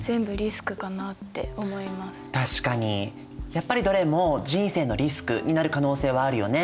やっぱりどれも人生のリスクになる可能性はあるよね。